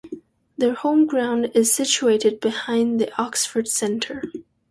Their home ground is situated behind the Oxford Centre.